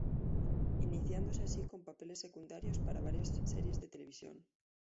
Iniciándose así con papeles secundarios para varias "series de televisión".